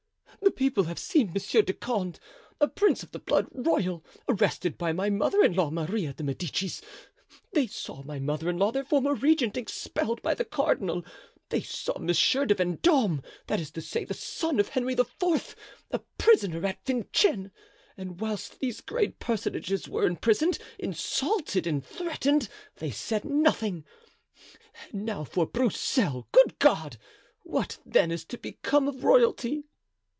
the people have seen Monsieur de Condé, a prince of the blood royal, arrested by my mother in law, Maria de Medicis; they saw my mother in law, their former regent, expelled by the cardinal; they saw Monsieur de Vendome, that is to say, the son of Henry IV., a prisoner at Vincennes; and whilst these great personages were imprisoned, insulted and threatened, they said nothing; and now for a Broussel—good God! what, then, is to become of royalty?"